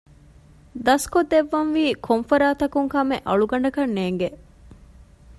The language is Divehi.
ދަސްކޮށްދެއްވަންވީ ކޮންފަރާތަކުން ކަމެއް އަޅުގަނޑަކަށް ނޭނގެ